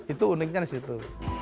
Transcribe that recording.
itu uniknya di situ